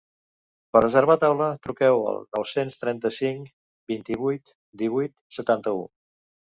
Per reservar taula, truqueu al nou-cents trenta-cinc vint-i-vuit divuit setanta-u.